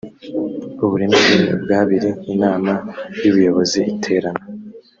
uburemere bw abiri inama y ubuyobozi iterana